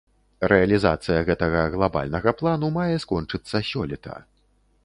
Рэалізацыя гэтага глабальнага плану мае скончыцца сёлета.